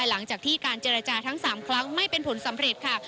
หลังจากที่การเจรจาทั้ง๓ครั้งไม่เป็นผลสำเร็จค่ะ